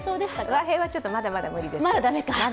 和平はまだまだ無理です。